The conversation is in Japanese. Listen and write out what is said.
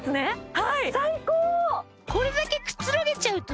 はい！